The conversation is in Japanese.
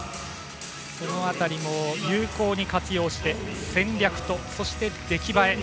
その辺りも有効に活用して戦略と、そして出来栄え